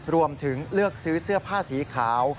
รวมถึงเลือกซื้อเสื้อผ้าสีขาว